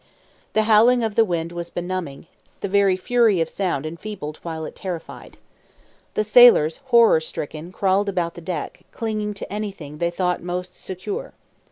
The howling of the wind was benumbing; the very fury of sound enfeebled while it terrified. The sailors, horror stricken, crawled about the deck, clinging to anything they thought most secure.